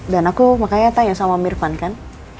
dan aku makanya tanya sama om irfan kan